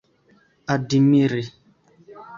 admiri